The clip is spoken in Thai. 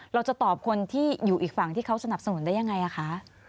เราจะตอบคนที่อยู่อีกฝั่งที่เขาสนับสนุนได้ยังไงคะ